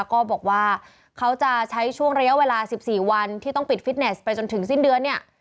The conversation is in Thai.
ก็บอกว่าเขาจะใช้ช่วงระยะเวลา๑๔วันที่ต้องปิดฟิตเนสไปจนถึงสิ้นเดือนเนี่ย